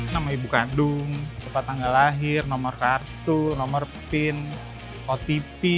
nama ibu kandung tempat tanggal lahir nomor kartu nomor pin otp